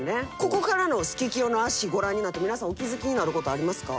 ここからのスケキヨの足ご覧になって皆さんお気付きになることありますか？